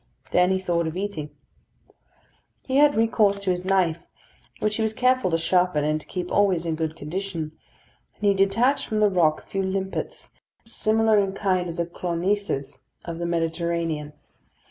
Then he thought of eating. He had recourse to his knife, which he was careful to sharpen, and to keep always in good condition; and he detached from the rocks a few limpets, similar in kind to the clonisses of the Mediterranean.